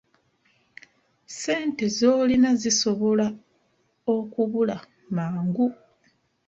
Ssente z'olinawo zisobola okubula mangu.